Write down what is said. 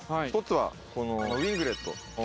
１つはウイングレット。